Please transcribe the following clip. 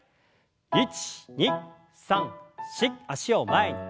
１２３４脚を前に。